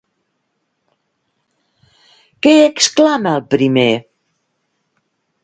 Què exclama, el primer?